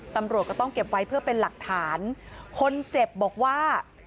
ตำรวจก็ต้องเก็บไว้เพื่อเป็นหลักฐานคนเจ็บบอกว่า